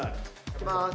いきます。